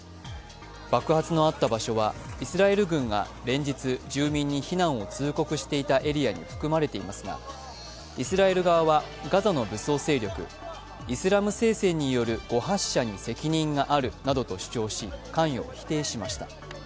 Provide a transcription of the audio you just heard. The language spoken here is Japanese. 爆発のあった場所はイスラエル軍が連日住民に避難を通告していたエリアに含まれていますが、イスラエル側はガザの武装勢力、イスラム聖戦による誤発射に責任があるなどと主張し、関与を否定しました。